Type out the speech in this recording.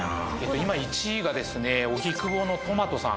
今１位がですね荻窪のトマトさん